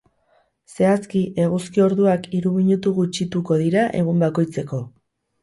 Zehazki, eguzki orduak hiru minutu gutxituko dira egun bakoitzeko.